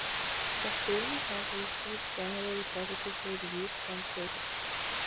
The film has received generally positive reviews from critics.